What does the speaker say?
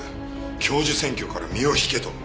教授選挙から身を引けと。